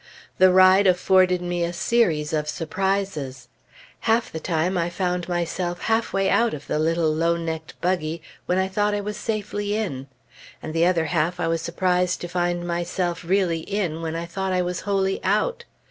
The ride afforded me a series of surprises. Half the time I found myself halfway out of the little low necked buggy when I thought I was safely in; and the other half, I was surprised to find myself really in when I thought I was wholly out.